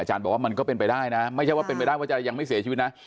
บอกว่ามันก็เป็นไปได้นะไม่ใช่ว่าเป็นไปได้ว่าจะยังไม่เสียชีวิตนะ